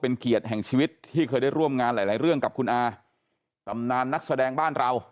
เป็นเกียรติแห่งชีวิตที่เคยได้ร่วมงานหลายหลายเรื่องกับคุณอาตำนานนักแสดงบ้านเรา